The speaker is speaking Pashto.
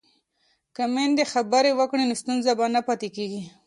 که میندې خبرې وکړي نو ستونزه به نه پاتې کېږي.